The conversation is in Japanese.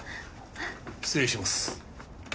失礼します。